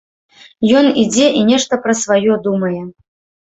Ён ідзе і нешта пра сваё думае.